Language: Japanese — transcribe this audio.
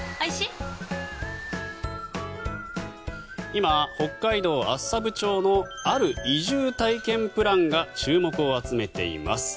今、北海道厚沢部町のある移住体験プランが注目を集めています。